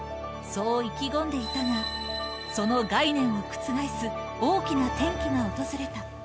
そう意気込んでいたが、その概念を覆す大きな転機が訪れた。